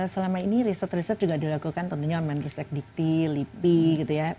selama ini riset riset juga dilakukan tentunya menkes ek dikti lipi gitu ya